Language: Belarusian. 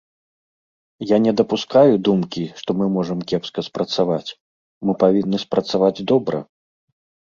Я не дапускаю думкі, што мы можам кепска спрацаваць, мы павінны спрацаваць добра.